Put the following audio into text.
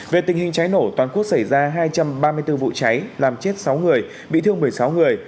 về tình hình cháy nổ toàn quốc xảy ra hai trăm ba mươi bốn vụ cháy làm chết sáu người bị thương một mươi sáu người